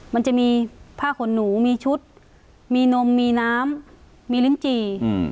มันจะมีผ้าขนหนูมีชุดมีนมมีน้ำมีลิ้นจี่